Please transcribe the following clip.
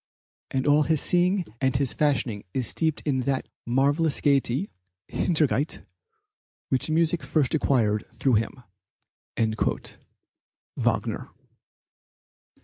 And all his seeing and his fashioning is steeped in that marvellous gayety (Heiterkeit) which music first acquired through him." (Wagner.)